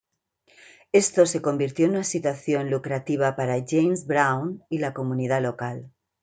Esto se convirtió en una situación lucrativa para James Brown y la comunidad local.